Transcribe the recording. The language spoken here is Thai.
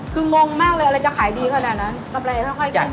คืองงมากเลยอะไรจะขายดีขนาดนั้น